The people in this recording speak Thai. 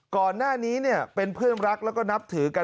ก่อนหน้านี้เป็นเพื่อนรักแล้วก็นับถือกัน